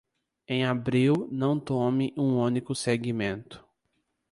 Em abril, não tome um único segmento.